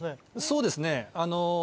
そうですね。